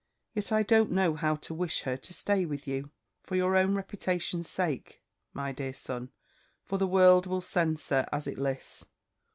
Yet I don't know how to wish her to stay with you, for your own reputation's sake, my dear son; for the world will censure as it lists.